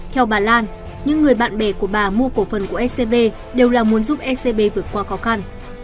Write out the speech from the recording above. theo bà lan những người bạn bè của bà mua cổ phần của ecb đều là muốn giúp ecb vượt qua khó khăn